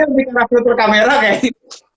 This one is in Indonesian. ini lebih kena filter kamera kayak gitu